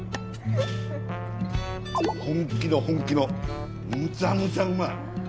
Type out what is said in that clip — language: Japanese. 本気の本気のむちゃむちゃうまい。